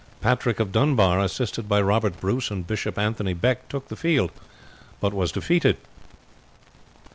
Patrick of Dunbar, assisted by Robert Bruce and Bishop Anthony Beck, took the field, but was defeated.